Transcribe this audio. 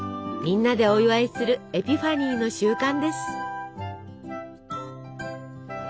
みんなでお祝いするエピファニーの習慣です。